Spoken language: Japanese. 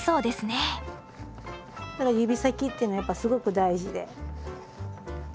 指先っていうのはやっぱりすごく大事で。